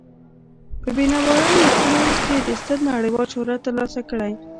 په بینوایان لیکلو یې ستر نړیوال شهرت تر لاسه کړی.